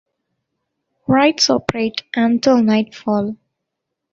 Rides operate until nightfall.